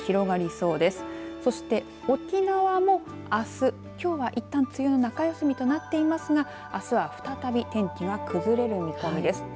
そして、沖縄もあすきょうはいったん梅雨の中休みとなっていますがあすは再び天気が崩れる見込みです。